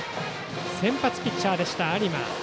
先発ピッチャーでした有馬。